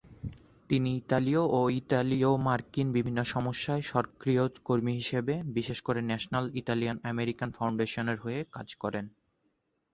তিনি ইতালীয় ও ইতালীয় মার্কিন বিভিন্ন সমস্যায় সক্রিয় কর্মী হিসেবে, বিশেষ করে ন্যাশনাল ইতালিয়ান আমেরিকান ফাউন্ডেশনের হয়ে, কাজ করেন।